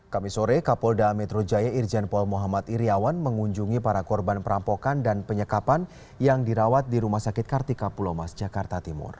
kami sore kapolda metro jaya irjen pol muhammad iryawan mengunjungi para korban perampokan dan penyekapan yang dirawat di rumah sakit kartika pulau mas jakarta timur